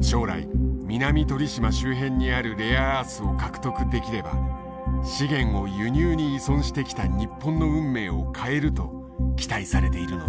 将来南鳥島周辺にあるレアアースを獲得できれば資源を輸入に依存してきた日本の運命を変えると期待されているのだ。